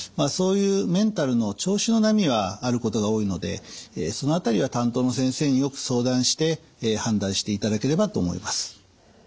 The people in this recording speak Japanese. そういうメンタルの調子の波はあることが多いのでその辺りは担当の先生によく相談して判断していただければと思います。